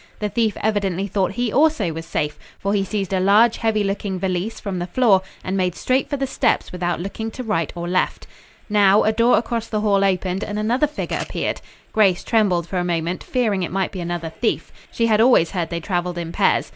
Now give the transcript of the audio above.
The thief evidently thought he also was safe, for he seized a large, heavy looking valise from the floor and made straight for the steps without looking to right or left. Now a door across the hall opened and another figure appeared. Grace trembled for a moment, fearing it might be another thief. She had always heard they traveled in pairs.